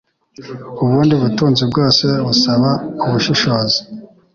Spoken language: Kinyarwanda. ubundi butunzi bwose busaba ubushishozi